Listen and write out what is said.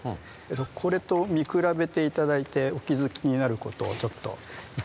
これと見比べて頂いてお気付きになることをちょっと言って頂けると。